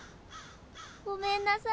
ごめんなさい。